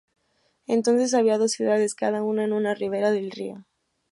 Entonces había dos ciudades, cada una en una ribera del río.